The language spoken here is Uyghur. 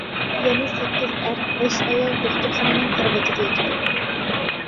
يەنە سەككىز ئەر، بەش ئايال دوختۇرخانىنىڭ كارىۋىتىدا ياتىدۇ.